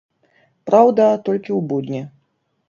Праўда, толькі ў будні.